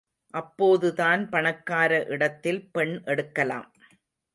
அப்போதுதான் பணக்கார இடத்தில் பெண் எடுக்கலாம்.